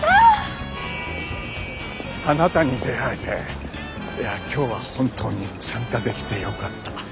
あなたに出会えていや今日は本当に参加できてよかった。